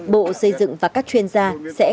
bộ xây dựng và các chuyên gia sẽ